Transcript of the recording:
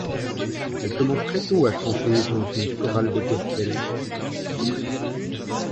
Elle commence très tôt à chanter dans une chorale de gospel.